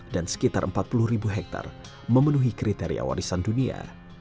dan sekitar empat puluh hektar memenuhi kriteria warisan dunia